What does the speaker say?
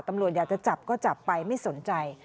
ตำรวจอยากจะจับก็จับไปไม่สนใจ